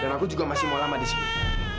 kamu juga masih mau lama disini